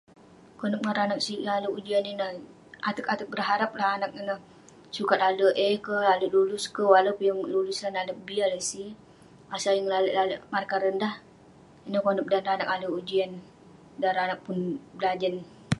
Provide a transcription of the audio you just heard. Konep ngan ranag sig yah ale'erk ujian ineh, ateg-ateg berharap lah anag ineh sukat ale'erk A kek, ale'erk lulus kek. Walau peh yeng lulus lan, ale'erk B kek, ale'erk C. Asal yeng lalek lalek markah rendah. Ineh konep ngan anag ale'erk ujian, dan ireh anag pun berajan.